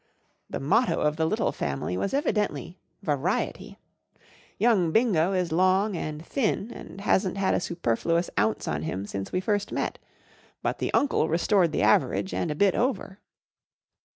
The motto of the Little family was evidently " variety/' Young Bingo is long and thin and hasn't had a superfluous ounce on him since we first met; but the uncle restored the average and a bit over.